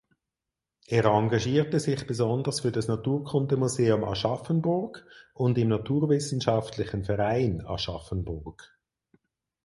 Er engagierte sich besonders für das Naturkundemuseum Aschaffenburg und im Naturwissenschaftlichen Verein Aschaffenburg.